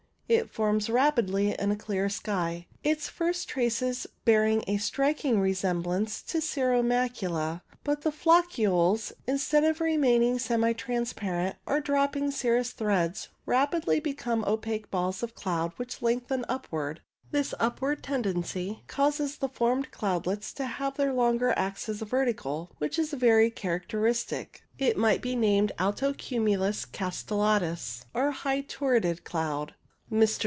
It forms rapidly in a clear sky, its first traces bearing a striking resemblance to cirro macula, but the floccules, instead of remaining semi trans parent or dropping cirrus threads, rapidly become opaque balls of cloud which lengthen upwards. This upward tendency causes the formed cloudlets to have their longer axes vertical, which is very characteristic. It might be named alto cumulus castellatus, or high turreted cloud. Mr.